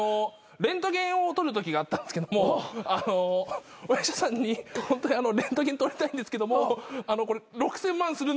レントゲンを撮るときがあったんですけどもお医者さんにホントにレントゲン撮りたいんですけどもこれ６，０００万するんですよ。